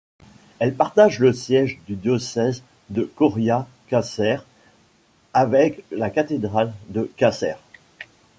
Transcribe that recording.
Elle partage le siège du diocèse de Coria-Cáceres avec la cathédrale de Cáceres.